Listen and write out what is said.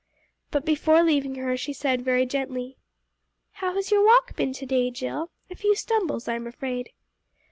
But before leaving her, she said very gently "How has your walk been to day, Jill? A few stumbles, I am afraid."